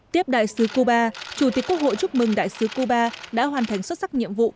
tiếp đại sứ cuba chủ tịch quốc hội chúc mừng đại sứ cuba đã hoàn thành xuất sắc nhiệm vụ